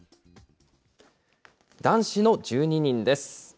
男子の１２人です。